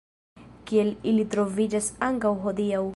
Kiel ili troviĝas ankaŭ hodiaŭ.